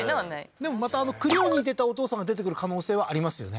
でもまた栗を煮てたお父さんが出てくる可能性はありますよね